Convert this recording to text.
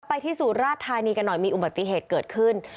ที่สุราชธานีกันหน่อยมีอุบัติเหตุเกิดขึ้น